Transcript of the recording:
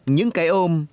những cái ôm